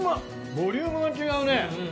ボリュームが違うね。